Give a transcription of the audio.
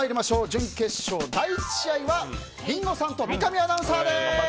準決勝第１試合はリンゴさんと三上アナウンサーです。